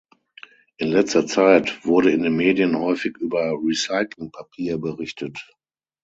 In letzter Zeit wurde in den Medien häufig über Recyclingpapier berichtet.